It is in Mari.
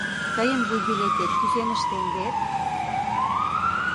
Тыйын вуйбилетет кӱсеныштем вет...